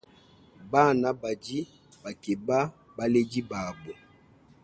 Bana badi bakeba baledi babo.